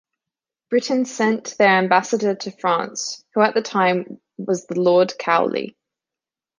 Britain sent their Ambassador to France, who at the time was the Lord Cowley.